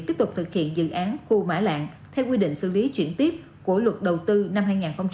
tiếp tục thực hiện dự án khu mã lạng theo quy định xử lý chuyển tiếp của luật đầu tư năm hai nghìn một mươi bốn